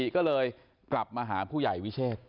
ก็เลยกลับมาหาผู้ใหญ่วิเชษ